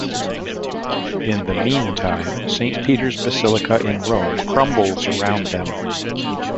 In the mean time, Saint Peter's Basilica in Rome crumbles around them.